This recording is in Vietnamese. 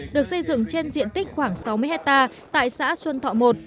được xây dựng trên diện tích khoảng sáu mươi hectare tại xã xuân thọ một